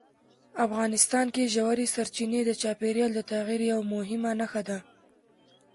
افغانستان کې ژورې سرچینې د چاپېریال د تغیر یوه مهمه نښه ده.